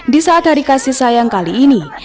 di saat hari kasih sayang kali ini